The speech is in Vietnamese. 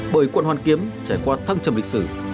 bởi quận hoàn kiếm trải qua thăng trầm lịch sử